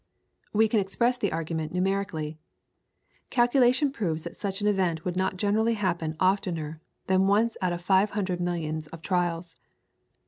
We can express the argument numerically. Calculation proves that such an event would not generally happen oftener than once out of five hundred millions of trials.